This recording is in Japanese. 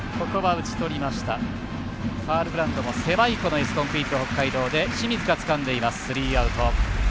ファウルグラウンドも狭いエスコンフィールド北海道で清水がつかんでいますスリーアウト。